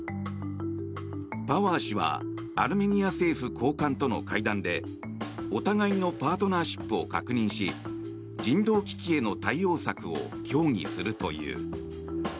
パワー氏はアルメニア政府高官との会談でお互いのパートナーシップを確認し人道危機への対応策を協議するという。